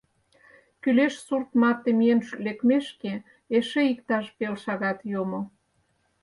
Кӱлеш сурт марте миен лекмешке эше иктаж пел шагат йомо.